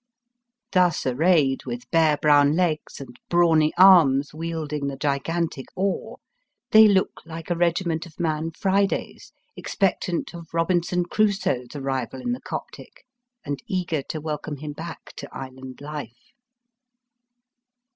Thus arrayed, with bare brown legs, and brawny arms wield ing the gigantic oar, they looked like a regi ment of Man Fridays expectant of Eobinson Crusoe's arrival in the Coptic^ and eager to welcome him back to island life.